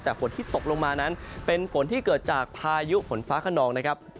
แต่ฝนที่ตกลงมานั้นเป็นฝนที่เกิดจากพายุฝนฟ้าขนองนะครับ